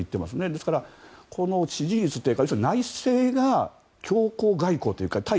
ですからこの支持率低下内政が強硬外交というか対